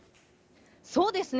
そうですね。